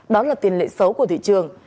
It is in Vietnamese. đó là tiền lệ xấu của thị trường